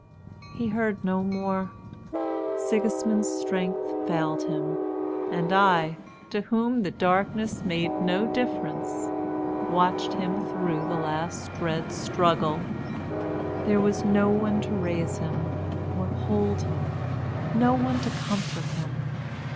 He heard no more. Sigismund's strength failed him, and I, to whom the darkness made no difference, watched him through the last dread struggle; there was no one to raise him, or hold him, no one to comfort him.